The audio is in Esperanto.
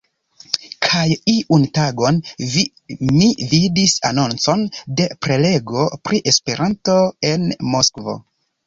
Kaj iun tagon vi mi vidis anoncon de prelego pri Esperanto en Moskvo.